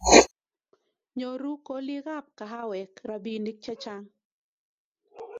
Nyoru kolikab kahawek robinik chechang